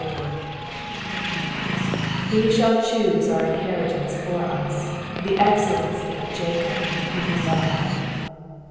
4 He shall choose our inheritance for us, the excellency of Jacob whom he loved.